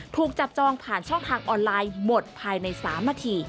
ถูกจับจองผ่านช่องทางออนไลน์หมดภายใน๓นาที